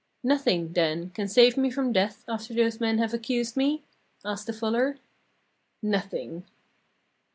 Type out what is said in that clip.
'Nothing, then, can save me from death after those men have accused me?' asked the fuller. 'Nothing.'